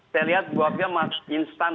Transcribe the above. saya lihat bu afifah masih instan